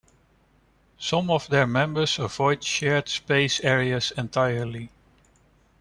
Some of their members avoid shared space areas entirely.